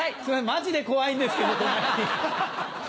マジで怖いんですけど隣。